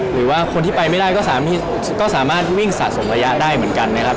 หรือว่าคนที่ไปไม่ได้ก็สามารถวิ่งสะสมระยะได้เหมือนกันนะครับ